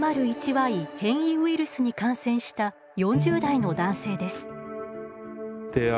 Ｙ変異ウイルスに感染した４０代の男性です。